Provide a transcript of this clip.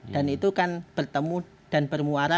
dan itu kan bertemu dan bermuara